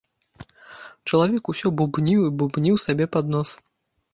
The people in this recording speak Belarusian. Чалавек усё бубніў і бубніў сабе пад нос.